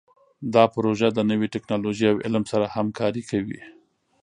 دا پروژه د نوي ټکنالوژۍ او علم سره همکاري کوي.